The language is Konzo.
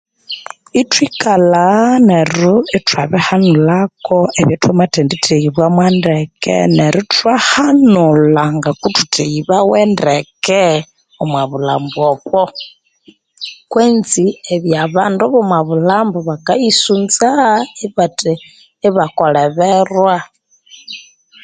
Ithwikalha nero ithwabihanulhako ebya thwamathendi theghibwamo ndeke, neryo ithwahanulha ngoku thutheghibabwe ndeke omwa bulhambo obo, kwenzi ebya abandu abomo bulhambo bakayisunza ibakoleberwa